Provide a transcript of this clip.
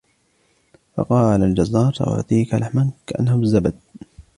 فقال الجزار سأعطيك لحماً كأنه الزبد